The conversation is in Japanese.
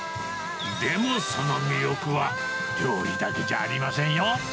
でもその魅力は、料理だけじゃありませんよ。